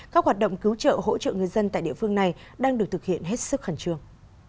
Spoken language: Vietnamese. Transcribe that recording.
các hoạt động cứu trợ hỗ trợ người dân tại địa phương này đang được thực hiện hết sức khẩn trương